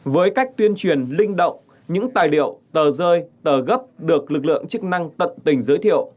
với cách tuyên truyền linh động những tài liệu tờ rơi tờ gấp được lực lượng chức năng tận tình giới thiệu